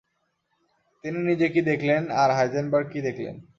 তিনি নিজে কী দেখলেন, আর হাইজেনবার্গ কী দেখলেন।